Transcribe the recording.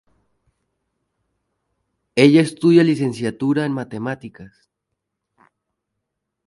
Ella estudia licenciatura en matemáticas.